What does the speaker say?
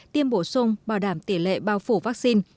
tiêm bổ sung bảo đảm tỷ lệ bao phủ vaccine